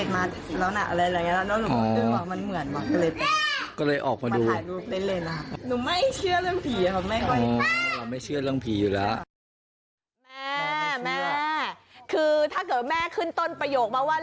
แม่แม่คือถ้าเกิดแม่ขึ้นต้นประโยคมาว่า